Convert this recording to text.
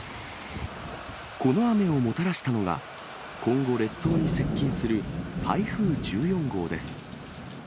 この雨をもたらしたのが、今後、列島に接近する台風１４号です。